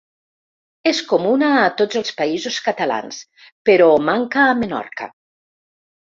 És comuna a tots els Països Catalans però manca a Menorca.